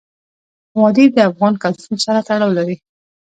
وادي د افغان کلتور سره تړاو لري.